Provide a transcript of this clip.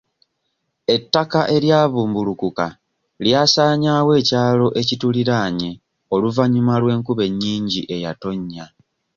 Ettaka eryabumbulukuka lyasaanyaawo ekyalo ekituliraanye oluvannyuma lw'enkuba ennyingi eyatonnya.